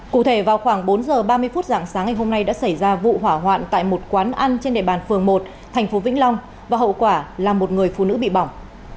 cụ thể vào khoảng bốn giờ ba mươi phút dạng sáng ngày hôm nay đã xảy ra vụ hỏa hoạn tại một quán ăn trên địa bàn phường một thành phố vĩnh long và hậu quả là một người phụ nữ bị bỏng